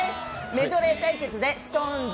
メドレー対決でＳｉｘＴＯＮＥＳ